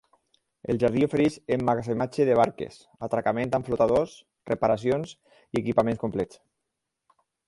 El jardí ofereix emmagatzematge de barques, atracament amb flotadors, reparacions i equipaments complets.